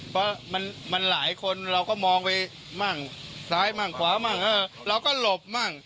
เพราะมันหลายคนเราก็มองไปมั่งซ้ายมั่งขวามั่งเราก็หลบมั่ง